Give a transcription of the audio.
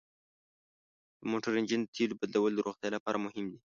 د موټر انجن تیلو بدلول د روغتیا لپاره مهم دي.